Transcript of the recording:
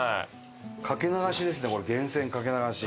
掛け流しですねこれ源泉掛け流し。